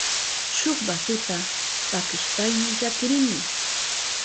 Shuk basuta pakishpayni llakirini.